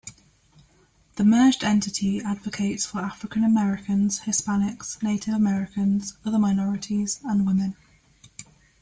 The merged entity advocates for African Americans, Hispanics, Native Americans, other minorities, and women.